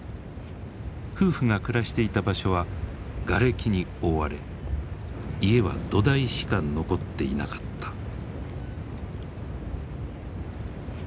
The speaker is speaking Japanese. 夫婦が暮らしていた場所はがれきに覆われ家は土台しか残っていなかった。